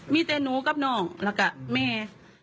มีแต่หนูกับน้องแล้วก็แม่